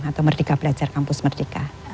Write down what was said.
atau merdeka belajar kampus merdeka